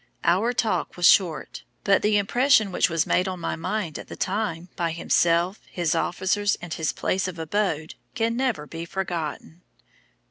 Our talk was short: but the impression which was made on my mind at the time by himself, his officers, and his place of abode, can never be forgotten."